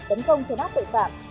tấn công chấn áp tội phạm